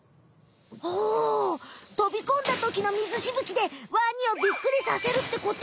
ほうとびこんだときのみずしぶきでワニをびっくりさせるってこと。